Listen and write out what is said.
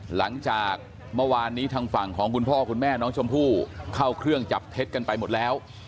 หลังจากเมื่อวานนี้ทางฝั่งของคุณพ่อคุณแม่น้องชมพู่เข้าเครื่องจับเท็จกันไปหมดแล้ว